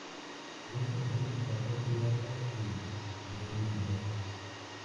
Es conocido por haber creado el volleyball.